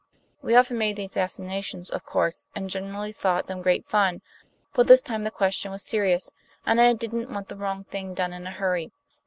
We often made these assignations, of course, and generally thought them great fun, but this time the question was serious, and I didn't want the wrong thing done in a hurry.